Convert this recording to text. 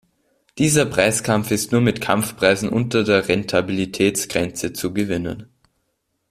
Dieser Preiskampf ist nur mit Kampfpreisen unter der Rentabilitätsgrenze zu gewinnen.